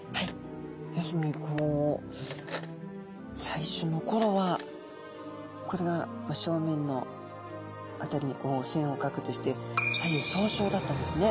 要するにこう最初のころはこれが正面の辺りにこう線を書くとして左右相称だったんですね。